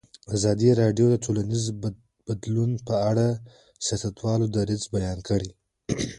ازادي راډیو د ټولنیز بدلون په اړه د سیاستوالو دریځ بیان کړی.